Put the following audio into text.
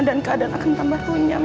dan keadaan akan tambah kunyam